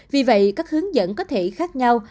vì vậy các hướng dẫn có thể khác nhau